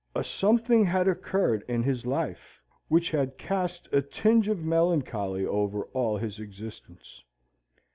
A something had occurred in his life, which had cast a tinge of melancholy over all his existence.